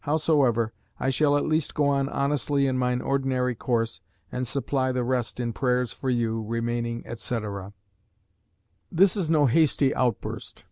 Howsoever, I shall at least go on honestly in mine ordinary course, and supply the rest in prayers for you, remaining, etc." This is no hasty outburst.